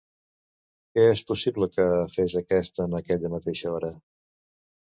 Què és possible que fes aquest en aquella mateixa hora?